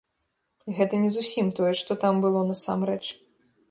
Гэта не зусім тое, што там было насамрэч.